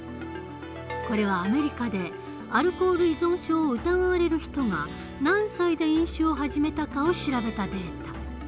これはアメリカでアルコール依存症を疑われる人が何歳で飲酒を始めたかを調べたデータ。